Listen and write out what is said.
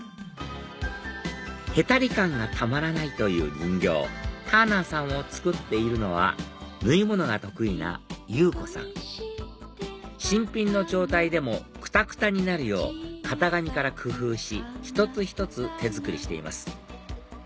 へたり感がたまらないという人形ターナーさんを作っているのは縫い物が得意な裕子さん新品の状態でもくたくたになるよう型紙から工夫し一つ一つ手作りしています